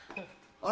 あれ？